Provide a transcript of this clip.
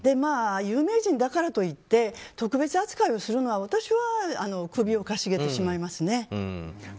有名人だからといって特別扱いをするのは私は首をかしげてしまいますね。